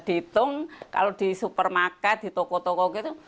dihitung kalau di supermarket di toko toko gitu